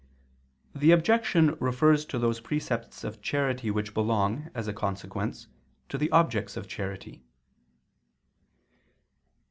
The objection refers to those precepts of charity which belong, as a consequence, to the objects of charity.